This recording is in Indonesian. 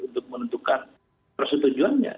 untuk menentukan persetujuannya